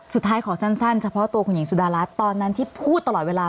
ขอสั้นเฉพาะตัวคุณหญิงสุดารัฐตอนนั้นที่พูดตลอดเวลา